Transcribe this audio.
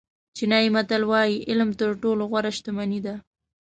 چینایي متل وایي علم تر ټولو غوره شتمني ده.